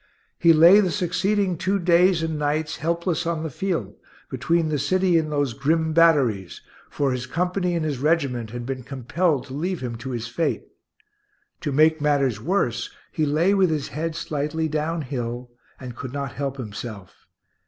He lay the succeeding two days and nights helpless on the field, between the city and those grim batteries, for his company and his regiment had been compelled to leave him to his fate. To make matters worse, he lay with his head slightly down hill, and could not help himself.